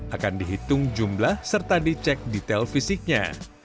akan dihitung jumlah serta dicek detail fisiknya